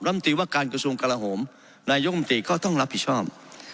ตีว่าการกระทรวงกลาโหมนายกรรมตรีก็ต้องรับผิดชอบ